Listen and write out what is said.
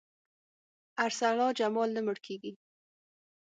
ارسلا جمال نه مړ کېږي.